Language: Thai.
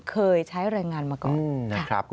เคยใช้รายงานมาก่อน